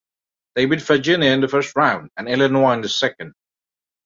They beat Virginia in the first round and Illinois in the second.